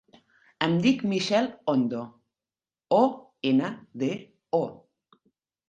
Em dic Michelle Ondo: o, ena, de, o.